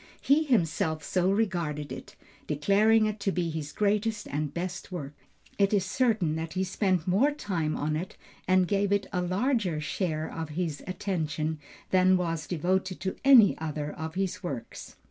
He himself so regarded it, declaring it to be his greatest and best work. It is certain that he spent more time on it, and gave it a larger share of his attention than was devoted to any other of his works.